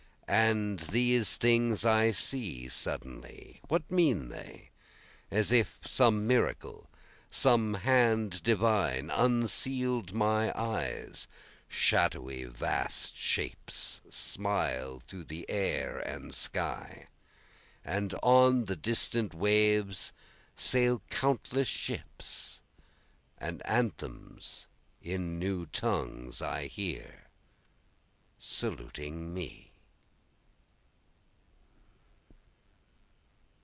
And these things I see suddenly, what mean they? As if some miracle, some hand divine unseal'd my eyes, Shadowy vast shapes smile through the air and sky, And on the distant waves sail countless ships, And anthems in new tongues I hear saluting me.